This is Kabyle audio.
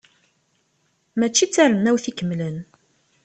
Mačči d tarennawt ikemlen.